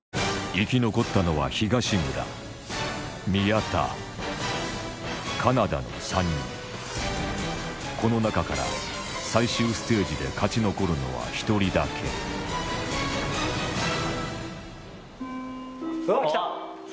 生き残ったのはの３人この中から最終ステージで勝ち残るのは１人だけおっ来た。